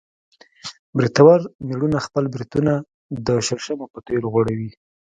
برېتور مېړونه خپل برېتونه د شړشمو په تېل غوړوي.